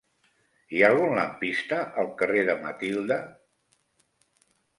Hi ha algun lampista al carrer de Matilde?